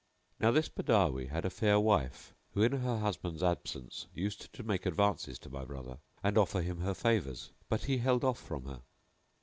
Now this Badawi had a fair wife who in her husband's absence used to make advances to my brother and offer him her favours, but he held off from her.